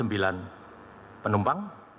kemudian laki laki delapan belas penumpang